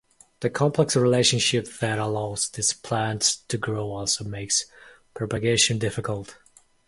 The complex relationship that allows this plant to grow also makes propagation difficult.